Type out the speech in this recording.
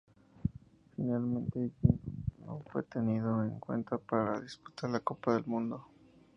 Finalmente, Gino no fue tenido en cuenta para disputar la Copa del Mundo.